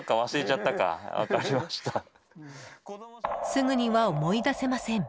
すぐには思い出せません。